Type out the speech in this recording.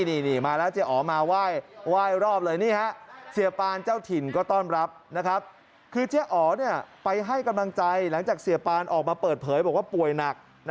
นี่มาแล้วเจ๊อ๋อมาไหว้ไหว้รอบเลยนี่ฮะ